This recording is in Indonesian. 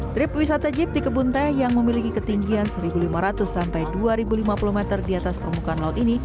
trip wisata jeep di kebun teh yang memiliki ketinggian satu lima ratus sampai dua lima puluh meter di atas permukaan laut ini